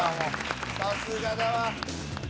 さすがだわ。